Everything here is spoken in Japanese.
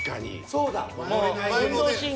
そうだ。